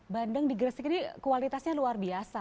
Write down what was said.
bandeng di gresik ini kualitasnya luar biasa